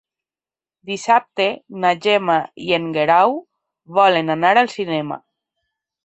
Dissabte na Gemma i en Guerau volen anar al cinema.